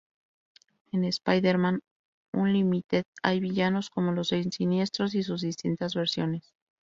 En Spider-Man Unlimited hay villanos como los Seis Siniestros y sus distintas versiones.